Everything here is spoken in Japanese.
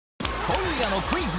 今夜の「クイズ！